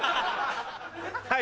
はい。